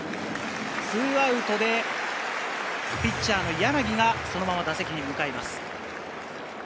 ２アウトでピッチャーの柳がそのまま打席に向かいます。